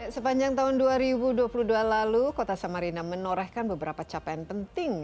sepanjang tahun dua ribu dua puluh dua lalu kota samarina menorehkan beberapa capaian penting